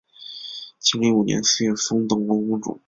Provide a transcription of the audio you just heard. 庆历五年四月封邓国公主。